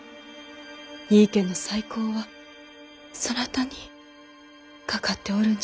井伊家の再興はそなたにかかっておるんじゃぞ。